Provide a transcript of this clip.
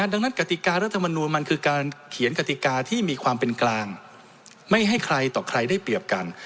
ดังนั้นกติการรัฐมนูลมันคือการเขียนกติกาที่มีความเป็นกลางไม่ให้ใครต่อใครได้เปรียบกัน